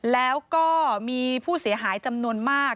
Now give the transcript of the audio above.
แล้วก็มีผู้เสียหายจำนวนมาก